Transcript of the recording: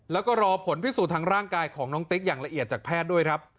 แล้วก็รอผลพิสูจน์ทางร่างกายของน้องติ๊กอย่างละเอียดจากแพทย์ด้วยครับ